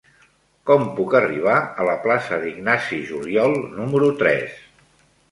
Com puc arribar a la plaça d'Ignasi Juliol número tres?